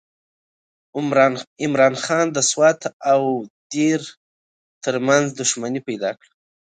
عمرا خان د سوات او دیر ترمنځ دښمني پیدا کړه.